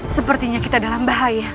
sepertinya kita dalam bahaya